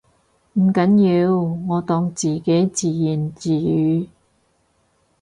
唔緊要，我當自己自言自語